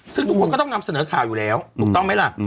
ซึ่งทุกคนก็ต้องนำเสนอข่าวอยู่แล้วถูกต้องไหมล่ะ